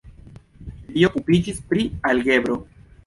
Li okupiĝis pri algebro.